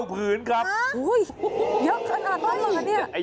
๙ผืนครับหื้อยยยเยอะขนาดน้อยค่ะเนี่ย